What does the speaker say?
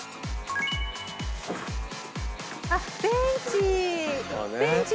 あっベンチ！